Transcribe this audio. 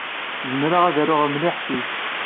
Zemreɣ ad aruɣ mliḥ yes-s.